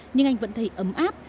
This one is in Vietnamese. nhưng anh vẫn thấy ấm áp